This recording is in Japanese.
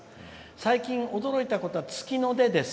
最近、驚いたことは月の出です。